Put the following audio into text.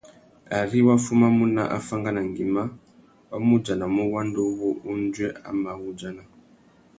Ari wá fumamú nà afánganangüima, wá mù udjanamú wanda uwú undjuê a mà wu udjana.